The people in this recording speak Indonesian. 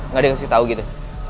gak dikasih tau gitu